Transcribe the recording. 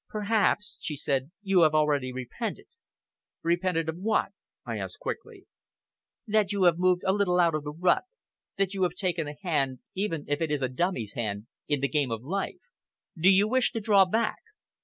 "Perhaps," she said, "you have already repented." "Repented of what?" I asked quickly. "That you have moved a little out of the rut, that you have taken a hand, even if it is a dummy's hand, in the game of life! Do you wish to draw back?"